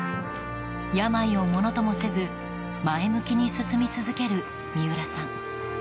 病をものともせず前向きに進み続ける三浦さん。